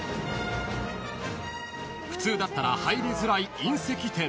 ［普通だったら入りづらい隕石店］